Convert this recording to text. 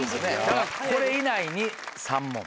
だからこれ以内に３問。